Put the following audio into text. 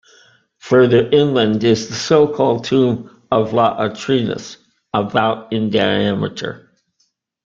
Further inland is the so-called tomb of L Atratinus, about in diameter.